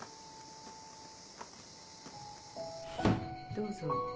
どうぞ。